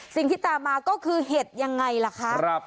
สิ่งที่ตามมาก็คือเห็ดยังไงล่ะคะ